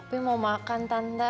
aku mau makan tanda